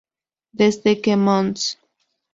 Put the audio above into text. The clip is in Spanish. Desde que Mons.